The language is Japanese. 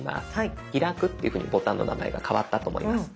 開くというふうにボタンの名前が変わったと思います。